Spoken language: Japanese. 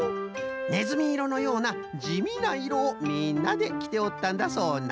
ねずみいろのようなじみないろをみんなできておったんだそうな。